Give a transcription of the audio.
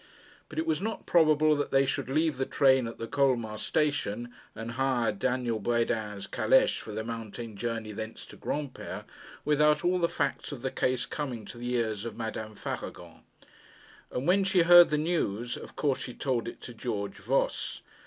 But it was not probable that they should leave the train at the Colmar station, and hire Daniel Bredin's caleche for the mountain journey thence to Granpere, without all the facts of the case coming to the ears of Madame Faragon. And when she had heard the news, of course she told it to George Voss.